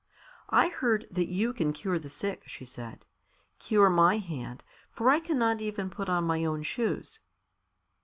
"I heard that you can cure the sick," she said. "Cure my hand, for I cannot even put on my own shoes."